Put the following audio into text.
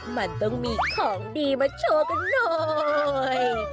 มันต้องมีของดีมาโชว์กันหน่อย